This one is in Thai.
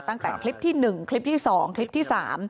ตั้งแต่คลิปที่๑คลิปที่๒คลิปที่๓